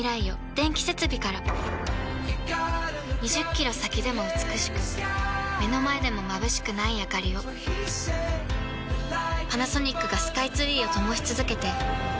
２０キロ先でも美しく目の前でもまぶしくないあかりをパナソニックがスカイツリーを灯し続けて今年で１０年